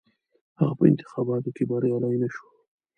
هغه په انتخاباتو کې بریالی نه شو.